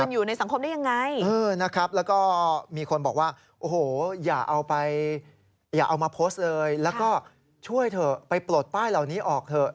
อย่าเอามาโพสต์เลยแล้วก็ช่วยเถอะไปปลดป้ายเหล่านี้ออกเถอะ